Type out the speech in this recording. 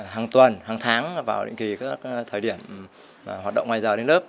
hàng tuần hàng tháng vào định kỳ các thời điểm hoạt động ngoài giờ đến lớp